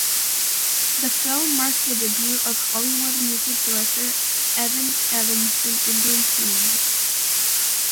The film marked the debut of Hollywood music director Evan Evans in Indian cinema.